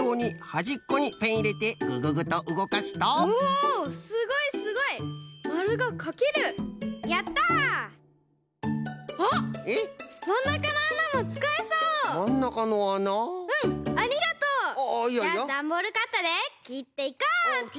じゃあダンボールカッターできっていこうっと！